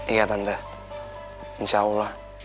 iya tante insya allah